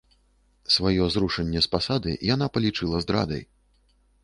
Сваё зрушэнне з пасады яна палічыла здрадай.